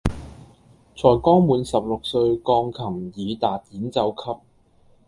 才剛滿十六歲鋼琴己逹演奏級